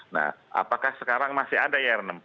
nah apakah sekarang masih ada ir enam puluh